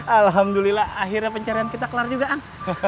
alhamdulillah akhirnya pencarian kita kelar juga kan